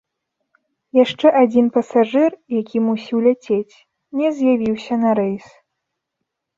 Яшчэ адзін пасажыр, які мусіў ляцець, не з'явіўся на рэйс.